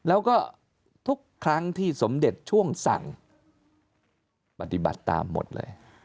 แล้วก็ทุกครั้งที่สมเด็จช่วงสั่งปฏิบัติตามหมดเลย